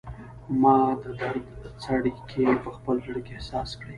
ما د درد څړیکې په خپل زړه کې احساس کړي